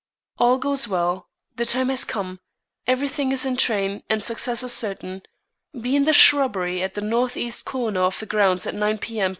"All goes well. The time has come; every thing is in train, and success is certain. Be in the shrubbery at the northeast corner of the grounds at 9 P.M.